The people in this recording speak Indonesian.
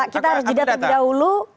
kita harus jeda terlebih dahulu